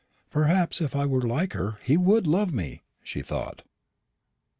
"Perhaps if I were like her, he would love me," she thought.